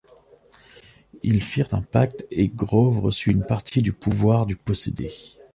Ils firent un pacte et Grove reçut une partie du pouvoir du possédé.